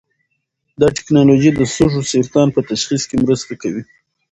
دا ټېکنالوژي د سږو سرطان په تشخیص کې مرسته کوي.